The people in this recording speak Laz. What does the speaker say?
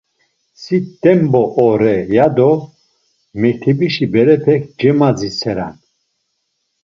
Si t̆embo ore ya do mektebişi berepek cemaditseran.